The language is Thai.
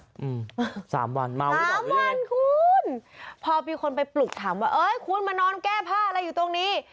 อืมสามวันเมาสามวันคุณพอมีคนไปปลุกถามว่าเอ้ยคุณมานอนแก้ผ้าอะไรอยู่ตรงนี้